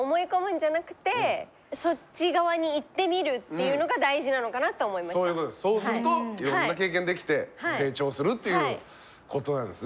いやでもだからそれこそそうするといろんな経験できて成長するっていうことなんですね。